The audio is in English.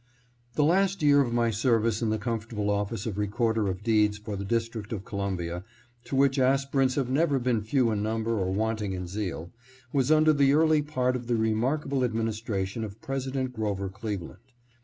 THE last year of my service in the comfortable office of Recorder of Deeds for the District of Columbia, to which aspirants have never been few in number or wanting in zeal, was under the early part of the remark able administration of President Grover Cleveland.